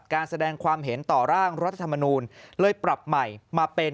การแสดงความเห็นต่อร่างรัฐธรรมนูลเลยปรับใหม่มาเป็น